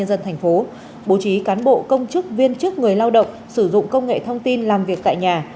dân thành phố bố trí cán bộ công chức viên chức người lao động sử dụng công nghệ thông tin làm việc tại nhà